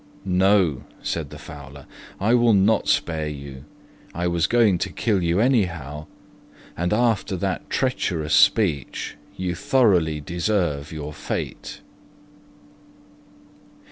"No," said the Fowler, "I will not spare you. I was going to kill you anyhow, and after that treacherous speech you thoroughly deserve your fate."